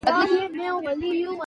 بېپارانو ته پلورل کیږي.